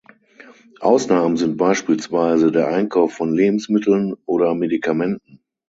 Ausnahmen sind beispielsweise der Einkauf von Lebensmitteln oder Medikamenten.